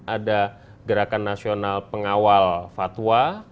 ada gerakan nasional pengawal fatwa